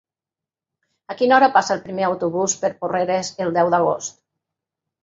A quina hora passa el primer autobús per Porreres el deu d'agost?